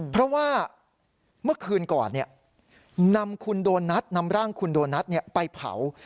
เพราะว่าเมื่อคืนก่อนนำคุณโดนัทนำร่างคุณโดนัทไปเผา